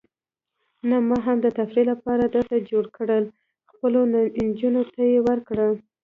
نه، ما هم د تفریح لپاره درته جوړ کړل، خپلو نجونو ته یې ورکړه.